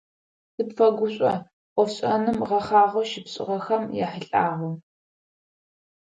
Сыпфэгушӏо ӏофшӏэным гъэхъагъэу щыпшӏыгъэхэм яхьылӏагъэу.